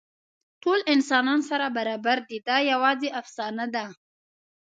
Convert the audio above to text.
ټول انسانان سره برابر دي، دا یواځې افسانه ده.